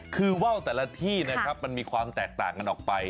คือว่าวแต่ละที่นะครับมันมีความแตกต่างกันออกไป